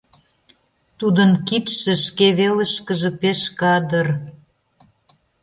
Тудын кидше шке велышкыже пеш кадыр.